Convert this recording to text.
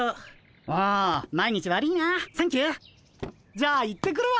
じゃあ行ってくるわ。